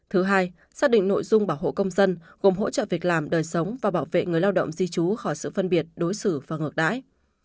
thứ hai xác định nội dung bảo hộ công dân gồm hỗ trợ việc làm đời sống và bảo vệ người lao động di trú khỏi sự phân biệt đối xử và ngược đãi